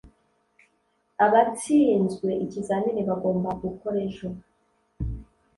abatsinzwe ikizamini bagomba gukora ejo.